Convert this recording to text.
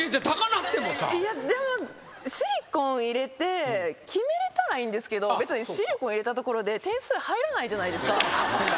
でもシリコン入れて決めれたらいいんですけど別にシリコン入れたところで点数入らないじゃないですか。